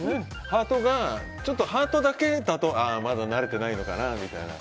ハートがちょっとハートだけだとまだ慣れてないのかなみたいな。